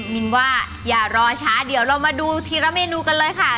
มินว่าอย่ารอช้าเดี๋ยวเรามาดูทีละเมนูกันเลยค่ะ